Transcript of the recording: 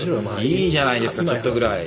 いいじゃないですかちょっとぐらい。